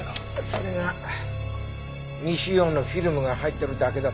それが未使用のフィルムが入っているだけだった。